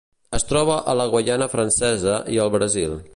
Es troba a la Guaiana Francesa i el Brasil.